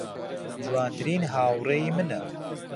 جوانترین هاوڕێی منە.